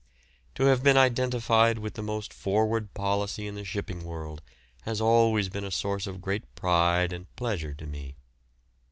To have been identified with the most forward policy in the shipping world has always been a source of great pride and pleasure to me.